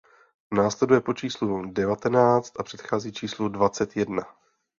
Následuje po číslu devatenáct a předchází číslu dvacet jedna.